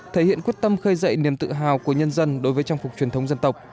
thể hiện quyết tâm khơi dậy niềm tự hào của nhân dân đối với trang phục truyền thống dân tộc